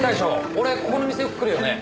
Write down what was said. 俺ここの店よく来るよね。